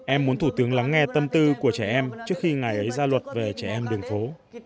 em muốn thủ tướng lắng nghe tâm tư của trẻ em trước khi ngày ấy ra luật về trẻ em đường phố